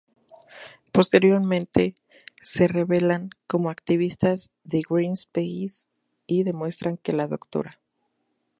Posteriormente, se revelan como activistas de Greenpeace, y demuestran que la Dra.